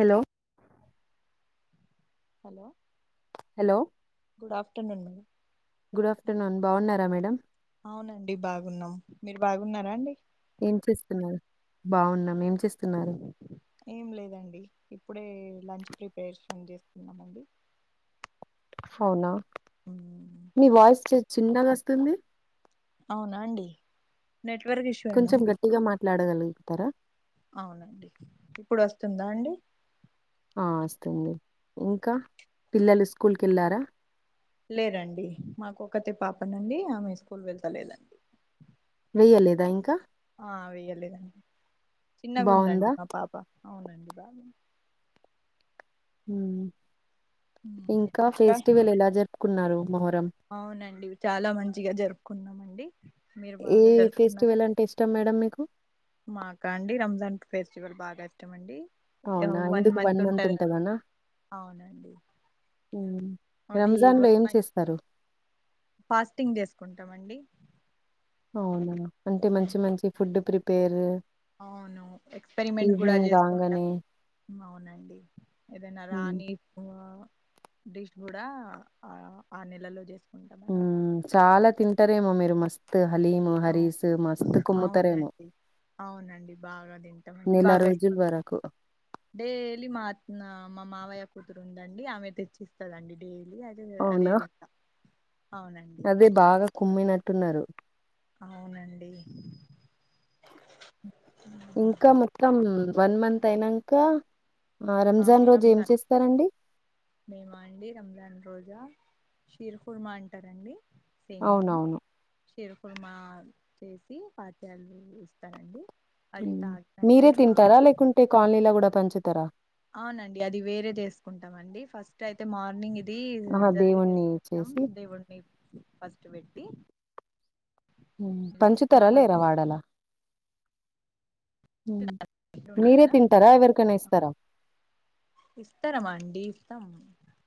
Hello hello hello good afternoon madam good afternoon బాగున్నారా madam అవునండి బాగున్నాం మీరు బాగున్నారా అండి ఏం చేస్తున్నారు బాగున్నాం ఏం చేస్తున్నారు ఏం లేదండి ఇప్పుడే లంచ్ ప్రిపరేషన్ చేస్తున్నామండి అవునా మ్మ్. మీ వాయిస్ చిన్నగా వస్తుంది అవునా అండి నెట్వర్క్ ఇషూ కొంచెం గట్టిగా మాట్లాడగలుగుతారా అవునండి ఇప్పుడు వస్తుందా అండి ఆ వస్తుంది ఇంకా పిల్లలు స్కూల్కి వెళ్ళారా లేదండి మాకు ఒకతె పాప నండి ఆమె స్కూల్ వెళ్తలేదండి వేయలేదా ఇంకా ఆ వెయ్యలేదండి చిన్న గుందండి బాగుందా మా పాప అవునండి బాబ ఇంకా ఫెస్టివల్ ఎలా జరుపుకున్నారు మొహరం అవునండి చాలా మంచిగా జరుపుకున్నామండి మీరు ఏ బాగా జరుపుకున్నారా ఫెస్టివల్ అంటే ఇష్టం మేడం మీకు మాకా అండి రంజాన్ ఫెస్టివల్ బాగా ఇష్టండి వన్ మంత్ ఉంటది అవునండి ఉమ్ అది రంజాన్లో వన్ ఏం మంత్ చేస్తరు ఫాస్టింగ్ జేసుకుంటామండి అవున అంటే మంచి మంచి ఫుడ్ ప్రిపేర్ అవును ఎక్స్పరిమెంట్ కూడా ఈవినింగ్ చేసుకుంటాం కాంగానే అవునండి ఏదైనా హ్మ్ రాని ఆ డిష్ గూడా ఆ ఆ నెలలో చేస్ ఉ చాలా తింటారేమో మీరు మస్తు హలీము అవు హరీస్ మస్తు కుమ్ముతారేమో అవునండి అవునండి బాగా తింటామండి నెల బాగా రోజుల ఇస్తాం వరకు. డైలీ మా అ మా మావయ్య కూతురు ఉందండి ఆమె తెచ్చిస్తదండి డైలీ అ అ అవునా? అదేదింట అవునండి అదే బాగా కుమ్మినట్టున్నారు అవునండి ఇంకా మొత్తం వన్ మంత్ అయినంక ఆహ్, ఆ రోజు ఏం రంజాన్ చేస్తారండి? మేమా అండి రంజాన్ రోజా షిర్ కుర్మా అంటారండి సేన్ని అవునవును. షీర్ కుర్మ చేసి పాత్యాలు ఇస్తారండి అది తాగినంకనే మా టే కాలనీలో కూడా పంచుతారా అవునండి అది వేరే తీసుకుంటాం అండి ఫస్ట్ అయితే మార్నింగ్ది ఆహా! జల్దీ దేవుణ్ణి చేసుకుంటాం చేసి దేవుడిని ఫస్ట్ పెట్టి మా పంచుతరా లేరా హస్బెండ్ వాడాల ఉండ మీరే కదా తింటారా ఎవరికైనా ఇస్తారా ఇస్తారమా అండి ఇస్తాం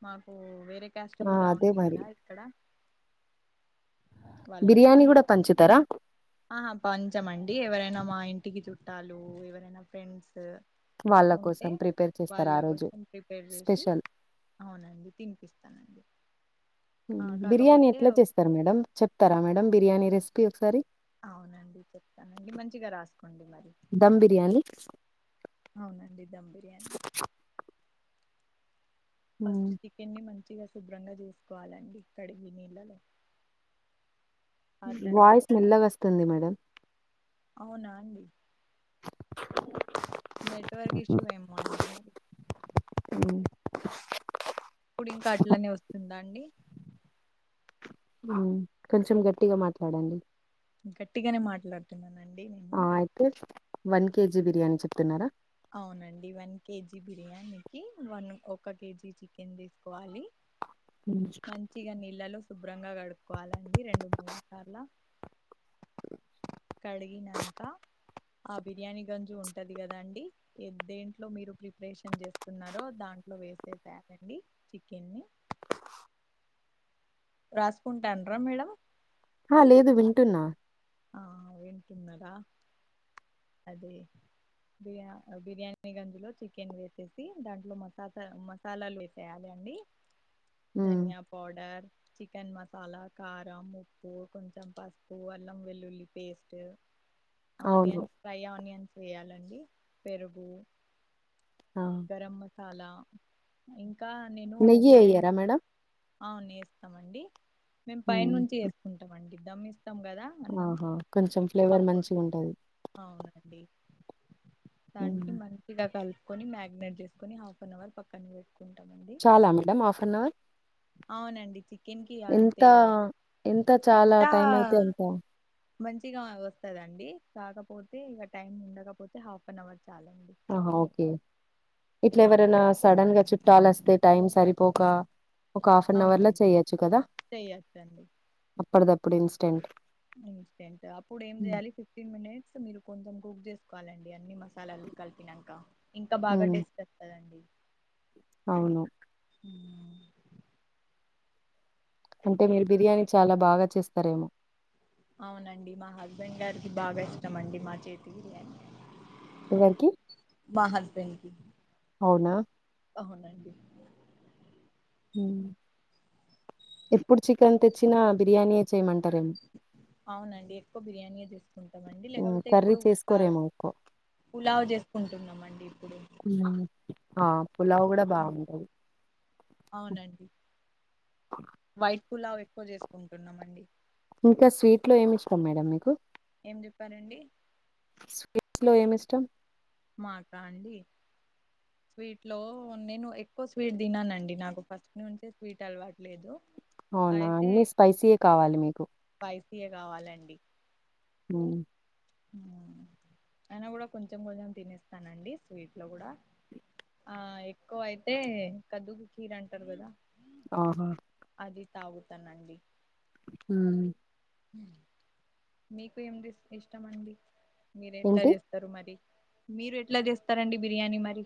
మాకు వేరే క్యాస్ట్ ఆ! కూడా అదే ఉంది మరి. కదా ఇక్కడ బిర్యానీ వాళ్ళకి గూడా పంచుతారా? ఆహ పంచమండి ఎవరైనా మా ఇంటికి చుట్టాలు ఎవరైనా ఫ్రెండ్స్ వాళ్ళ ఉంటే కోసం ప్రిపేర్ వాళ్ళ చేస్తారా ఆ రోజు కోసెం ప్రిపేర్ జేసి స్పెషల్? అవునండి తింపిస్తానండి బిర్యానీ ఎట్లా చేస్తారు మేడం చెప్తారా మేడమ్ బిర్యానీ రెసిపీ ఒకసారి అవునండి చెప్తానండి మంచిగ రాసుకోండి మరి దమ్ బిర్యానీ అవునండి ధమ్ బిర్యానీ ఫస్ట్ ఉమ్, చికెన్ని మంచిగా శుభ్రంగా జేసుకోవాలండి ఇక్కడి ఈ నీళ్ళలో ఆ వాయిస్ తర్వాత మెల్లగా వస్తుంది మేడం అవునా అండి నెట్వర్క్ ఇష్యూ ఏమో అండి మరి ఉ ఇప్పుడు ఇంకా అట్లనే వస్తుందా అండి ఉ కొంచెం గట్టిగా మాట్లాడండి గట్టిగానే మాట్లాడుతున్నానండి నేను ఆ, వన్ కేజీ బిర్యానీ చెప్తున్నారా అవునండి వన్ కేజీ బిర్యానీకి వన్ ఒక కేజీ చికెన్ తీసుకోవాలి అ చికెన్ నీళ్ళళ్ళో శుభ్రంగా కడుక్కోవాలండి రెండు మూడు సార్ల స కడిగినంక ఆ బిర్యానీ గంజు ఉంటది కదాండి ఎ దెంట్లో మీరు ప్రిపరేషన్ చేస్తున్నారో దాంట్లో వేసేసానండి చికెన్ని రాసుకుంటడ్రా మేడం హ లేదు వింటున్నా ఆ వింటున్నారా అదే బిర్యా బిర్యానీ గంజ్లో చికెన్ వేసేసి దాంట్లో మసాతా మస్ తలాలు వేసేయాలండి ఆ ధనియా పౌడర్ చికెన్ మసాలా కారం ఉప్పు కొంచెం పసుపు వెల్లం వెల్లుల్లి పెస్ట్ అవును ఆనియన్ ఫ్రై ఆనియన్స్ వేయాలండి పెరుగు ఆ గరం మసాలా ఇంకా నేను నెయ్యి బిర్యానీ అయ్యారా మేడం అవును ఎస్తామండి మేము ఉమ్, పైనుంచి ఎసుకుంటామండి దమ్ ఇస్తాం గదా ఆహా కొంచెం ఫ్లేవర్ మంచిగుంటది అవునండి దానికి మంచిగా కలుపుకొని మ్యా నేట్ చేసుకుని హాఫ్ అన్ అవర్ పక్కన పె కొంతమంది చాలా మేడమ్ హాఫ్ అన్ అవర్ అవునండి చికెన్ కి అంతే ఆ అవసరం ఎంత చాలా ఎంత టైమ్ అయితే ఎంత మంచిగా వస్తదండి కాకపోతే ఇగ టైమ్ ఉండకపోతే హాఫ్ అన్ అవర్ చాలండి ఆహా ఓకే ఇట్లా ఉమ్ ఎవరైనా సడన్ గా చుట్టాలు వస్తే టైమ్ సరిపోక ఒక హాఫ్ అన్ అవర్ ల అవునండి చెయచ్చు కదా చేయొచ్చండి అప్పటిదప్పుడు ఇన్స్టెంట్ ఇన్స్టెంట్ అప్పుడు ఏం చేయాలి ఫిఫ్టీన్ మినిట్స్ మీరు కొంచెం కుక్ చేసుకోవాలండి అన్ని మసాలాలు కలిపినంక ఇంకా బాగా ఉమ్ టేస్ట్స్తదండి అవును ఉ అంటే మీరు బిర్యానీ చాలా బాగా చేస్తారేమో అవునండి మా హస్బెండ్ గారికి బాగా ఇష్టం అండి మా చేతి బిర్యానీ ఎవరికీ మా హస్బెండ్ కి ఔనా అవునండి ఎప్పుడు చికెన్ తెచ్చినా బిర్యానీయే చేయమంటార అవునండి ఎక్కువ బిర్యానీయే తీ కుంటామండి ఉమ్ లేకపోతే కర్రీ ఇప్పుడు చేసుకోరేమో ఎక్కువ పులావ చేసుకుంటున్నాం అండి ఇప్పుడు అ పులావు గుడా ఉమ్, బాగుంటది అవునండి వైట్ పులావ్ ఎక్కువ చేసుకుంటున్నామండి ఇంకా స్వీట్ లో ఏమిష్టం మేడం మీకు ఏం చెప్పారండి. స్వీట్స్ లో ఏమి ఇష్టం. మాకా అండి. స్వీట్ లో నేను ఎక్కువ స్వీట్ తిననండి నాకు ఫస్ట్ నుంచే స్వీట్ అలవాట్లేదు. అవునా అన్ని స్పైసీఎ కావాలి మీకు. స్పైసీఎ కావాలండి. ఉ. అయినా కూడా కొంచెం కొంచెం తినేస్తానండి స్వీట్ లో కూడా. ఆ ఎక్కువ అయితే కద్దుకు కీర అంటారు కదా. ఆహా. అది తాగుతానండి. ఊ. మీకు ఏంది ఇష్టమండి మీరు ఎట్లా ఏంటి చేస్. రు మరి మీరు ఎట్లా చేస్తారండి బిర్యానీ మరి.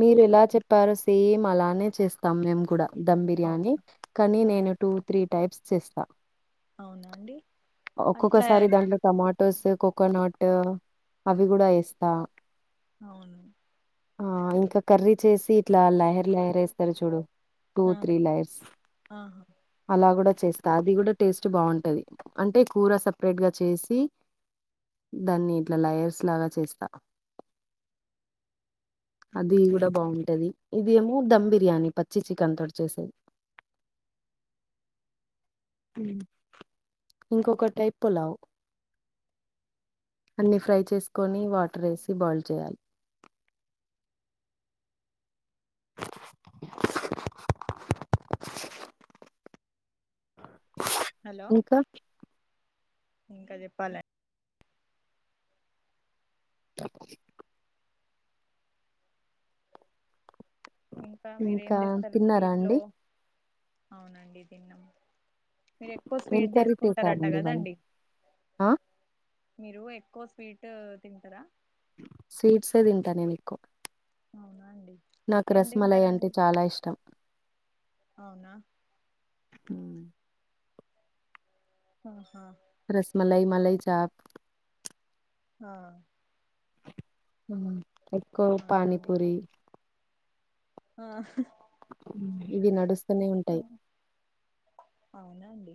మీరు ఎలా చెప్పారో సేమ్ అలానే చేస్తాం మేము కూడా ధమ్ బిర్యానీ అవునా కానీ ఆ, నేను. టూ త్రీ టైప్స్ చేస్తా అవునా అండి అట్లా ఒక్కొక్కసారి దాంట్లో టమా. టోస్ కోకోనట్ అవి కూడా ఏస్తా. అవును. ఆ ఇంకా కర్రీ చేసి ఇట్లా లాయర్ లాయర్ వేస్తారు చూడు. టూ ఆ, త్రీ లైర్స్. ఆహా అలా కూడా చేస్తా అది కూడా టేస్ట్ బాగుంటది అంటే కూర సపరేట్ గా చేసి. దాన్ని ఇట్లా లయర్స్ లాగా చేస్తా. అది కూడా బాగుంటది ఇదేమో ధమ్ బిర్యానీ పచ్చి చికెన్ తోటి చేసేది. ఇంకొక టైప్ పులావ్. అన్ని ఫ్రై చేసుకొని వాటర్ వేసి బాయిల్ చేయాలి. హలో ఇంకా ఇంకా చెప్పాలె. తప్ప. ఇంకా మీరు ఏం చేస్తారు తిన్నారా స్వీట్లో అండి అవునండి తిన్నాము. మీరు ఎక్కువ ఏం స్వీట్ కర్రీ చేసుకుంటారంట చేసారండి ఇవాళ కదండి. ఆ మీరు ఎక్కువ స్వీట్ తింటారా. స్వీట్స్ ఎ తింటా నేన్ ఎక్కువ. అవునా అండి. నాకు ఏం రసమలయి తింటారండి అంటే చాలా ఇష్టం. అవునా. మ్మ్. ఆహా. రసమలయి మలయి చాక్. ఆ. ఎక్కువ అవునా అండి పానీపూరి. ఆ. ఇవి నడుస్తనే ఉంటాయి. అవునండి.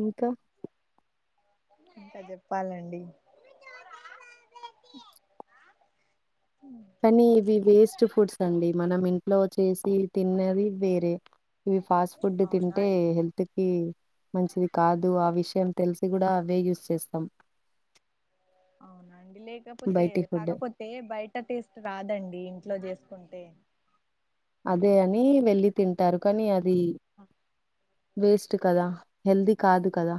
ఇంకా. ఇంకా చెప్పాలండి. కానీ ఇది వేస్ట్ ఫుడ్స్ అండి మనం ఇంట్లో చేసి తిన్నది వేరే ఇవి ఫాస్ట్ ఫుడ్ అవునా తింటే అండి హెల్త్ కి మంచిది కాదు ఆ విషయం తెలిసి కూడా అవే యూస్ చేస్తాం అవునండి లేకపోతే బయటి ఫుడ్ కాకపోతే బయట టేస్ట్ రాదండి ఇంట్లో చేసుకుంటే అదే అని వెళ్ళి తింటారు కానీ అది వేస్ట్ కదా హెల్ది కాదు కదా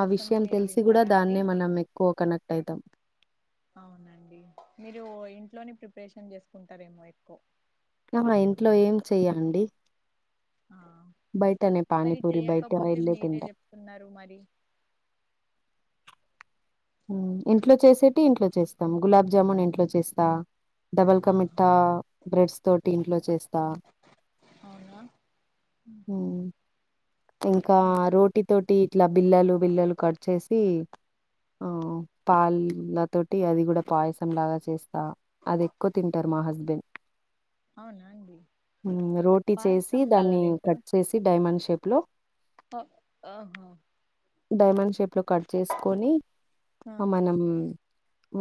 ఆ విషయం మీరు తెలిసి కూడా తింటారా అండి దాన్నే మనం ఎక్కువ కనెక్ట్ అయితాం అవునండి మీరు ఇంట్లోనే ప్రిపరేషన్ చేసుకుంటారేమో ఎక్కువ్ ఆ మా ఇంట్లో ఏం చెయ్యాండి ఆ మరి పానీపూరి బయట చేయకపోతే వెళ్ళే మీరే తింటా జేప్తున్నరు మరి ఇంట్లో చేసేటి ఇంట్లో చేస్తాం గులాబ్ జామున్ ఇంట్లో చేస్తా డబల్కా ఆహా మిఠ్ఠా‌ బ్రెడ్స్ తోటి ఇంట్లో చేస్తా అవునా ఉహు, ఉమ్ ఇంకా రోటి తోటి ఇట్ల బిల్లలు బిల్లలు కట్ చేసి ఉ పాల్ లతోటి అది కూడా పాయసం లాగా చేస్తా అది ఎక్కువ తింటారు మా ఉహు. హస్బెండ్ అవునా అండి ఉమ్ రోటీ చేసి పాయసం లాగా దాన్ని తింటారా కట్ చేసి డైమండ్ షేప్లో ఓ ఓహొ డైమండ్ షేప్ లో కట్ చేసుకొని ఆ ఆహా మనం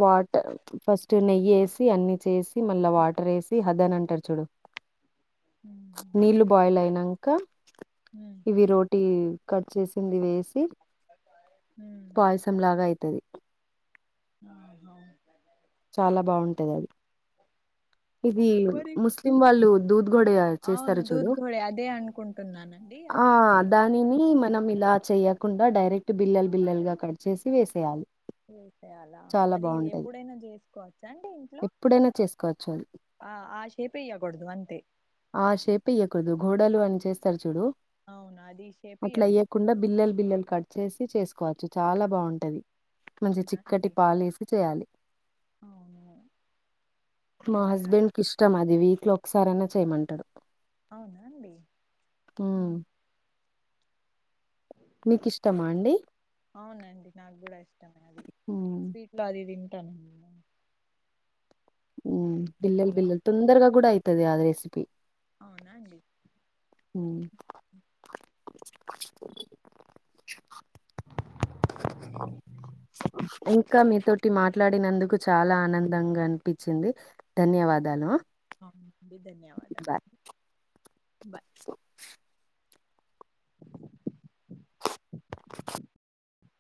వాట్ ఫస్ట్ నెయ్యి ఏసి అన్ని చేసి మళ్ళా ఉహు, వాటర్ ఏసి అద అని అంటారు చూడు నీళ్ళు బాయిల్ అయినంక హ్మ్ ఇవి రోటీ కట్ చేసింది వేసి హ్మ్ పాయసం లాగా అయితది ఆహా చాలా బాగుంటది అది ఇది మరి ముస్లిం వాళ్ళు దూద్ గోడయా చేస్తారు అవును చూడు దూద్ ఘోడే అదే అనుకుంటున్నానండి ఆ అది నేను దానిని మనం ఇలా చెయ్యకుండా డైరెక్ట్ బిల్లలు బిల్లలు గా కట్ చేసి వేసేయాలి చేసేయాలా చాలా అది బావుంటది. ఎప్పుడైనా చేసుకోవచ్చా అండి ఇంట్లో ఎప్పుడైనా చేసుకోవచ్చు అది. ఆ ఆ షేపుయ్యకూడదు అంతే ఆ షేప్ ఏయ్యకూడదు గోడలు అని చేస్తారు చూడు అవునా అది షేపియర్ కుండా బిల్లలు బిల్లలు కట్ చేసి చేసుకోవచ్చు చాలా బాగుంటది మంచి చిక్కటి అవునాండి పాలేసి చేయాలి అవును మా నిజంగా హస్బెండ్ కి ఇష్టం అది వీక్ లో ఒకసారన్న చేయమంటడు అవునా అండి హ్మ్ అ మీకు ఇష్టమా అండి అవునండి నాకు కూడా ఇష్టమే అది ఉమ్ స్వీట్ లో అది తింటాను [inaudible] ఉమ్ బిల్ల్ బిల్లల్ ఫెస్టివల్స్లో తొందరగా కూడా అయితది అ రెసిపీ అవునా అండి ఉమ్ ఇంకా మీతోటి మాట్లాడినందుకు చాలా ఆనందంగా ఆనిపించింది ధన్యవాదాలు అవునా అండి ధన్యవాదాలు బాయ్ స్నో స్